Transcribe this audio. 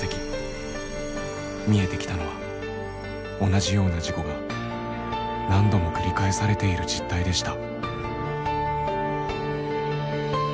見えてきたのは同じような事故が何度も繰り返されている実態でした。